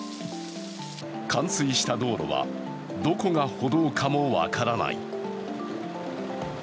冠水した道路は、どこが歩道かも分からない。